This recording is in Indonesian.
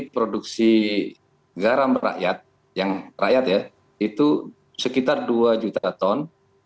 produksi garam rakyat itu sekitar dua juta ton